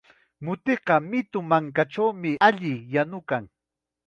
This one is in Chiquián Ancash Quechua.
Mutiqa mitu mankachawmi alli yanukan.